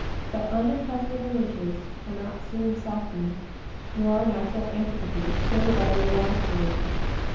But unimpressionable natures are not so soon softened, nor are natural antipathies so readily eradicated.